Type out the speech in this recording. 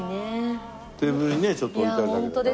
テーブルにねちょっと置いてあるだけで。